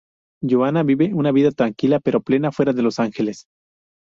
Joanna vive una vida tranquila pero plena fuera de Los Ángeles.